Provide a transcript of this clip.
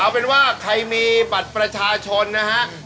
เอาเป็นว่าใครมีบัตรประชาชนนะฮะ